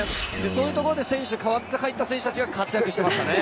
そういうところで代わって入った選手たちが活躍していましたね。